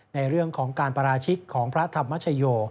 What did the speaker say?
ในเรื่องของการปราชิกของพระธรรมชโย